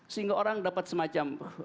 sehingga orang dapat semacam